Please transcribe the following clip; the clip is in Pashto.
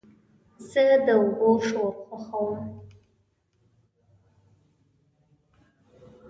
زه د اوبو شور خوښوم.